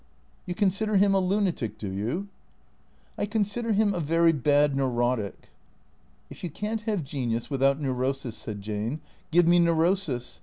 You consider him a lunatic, do you ?"" I consider him a very bad neurotic." " If you can't have genius without neurosis," said Jane, " give me neurosis.